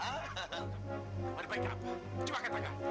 waduh baiknya apa coba kaya pakai